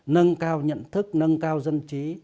nâng cao nhận thức nâng cao dân trí